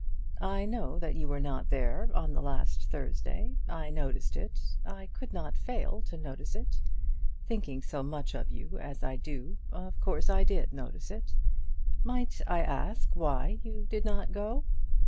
"I know that you were not there on the last Thursday. I noticed it. I could not fail to notice it. Thinking so much of you as I do, of course I did notice it. Might I ask you why you did not go?"